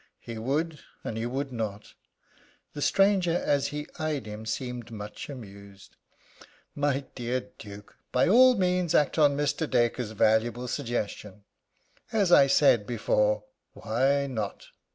He would and he would not. The stranger, as he eyed him, seemed much amused. "My dear Duke, by all means act on Mr. Dacre's valuable suggestion. As I said before, why not?